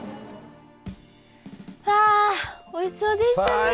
わあおいしそうでしたね。